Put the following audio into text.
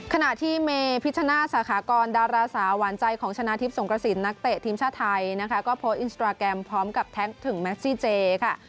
ขณะที่เมพิชชนาสาขากรดาราสาวหวานใจของชนะทิพย์สงกระสินนักเตะทีมชาติไทยนะคะก็โพสต์อินสตราแกรมพร้อมกับแท็กถึงแมสซี่เจค่ะ